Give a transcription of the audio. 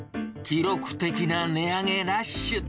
記録的な値上げラッシュ。